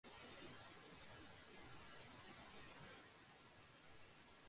মানিকগঞ্জ জেলা পরিষদ নির্বাচনে গতকাল সোমবার প্রার্থীদের মধ্যে প্রতীক বরাদ্দ দেওয়া হয়েছে।